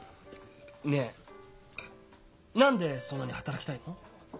ねえ何でそんなに働きたいの？